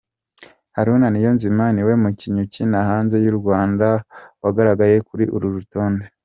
Haruna Niyonzima niwe mukinnnyi ukina hanze y’u Rwanda wagaragaye kuri uru rutonde.